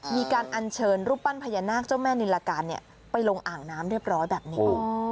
มีการอันเชิญรูปปั้นพยานหน้าเจ้าแม่นิรการเนี้ยไปลงอ่างน้ำเรียบร้อยแบบนี้